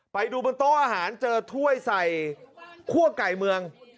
ไปดูบนโต๊ะอาหารเจอถ้วยใส่คั่วไก่เมือง